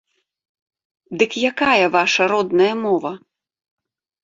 Дык якая ваша родная мова?